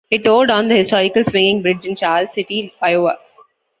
It tore down the historical swinging bridge in Charles City, Iowa.